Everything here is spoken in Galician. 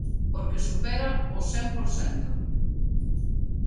Porque supera o cen por cento?